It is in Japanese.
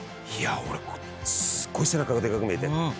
俺すごい背中がでかく見えて。